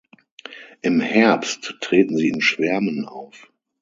Im Herbst treten sie in Schwärmen auf.